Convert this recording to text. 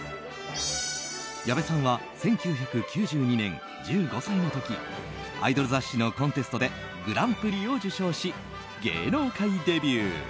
矢部さんは１９９２年１５歳の時アイドル雑誌のコンテストでグランプリを受賞し芸能界デビュー。